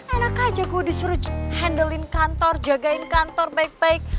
enak aja gue disuruh handlein kantor jagain kantor baik baik